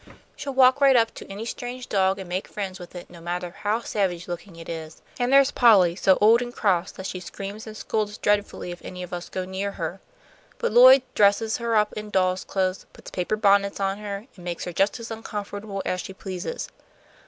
"She'll walk right up to any strange dog and make friends with it, no matter how savage looking it is. And there's Polly, so old and cross that she screams and scolds dreadfully if any of us go near her. But Lloyd dresses her up in doll's clothes, puts paper bonnets on her, and makes her just as uncomfortable as she pleases.